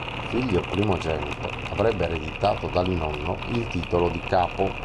Il figlio primogenito avrebbe ereditato dal nonno il titolo di capo.